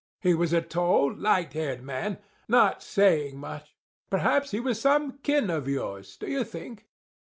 He was a tall, light haired man, not saying much. Perhaps he was some kin of yours, do you think?"